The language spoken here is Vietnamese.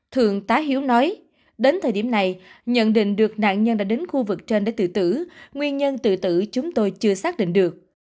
thượng tá hiếu nói đến thời điểm này nhận định được nạn nhân đã đến khu vực trên để tự tử nguyên nhân tử tử chúng tôi chưa xác định được